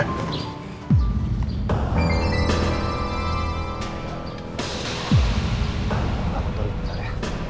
aku taruh dulu nanti ya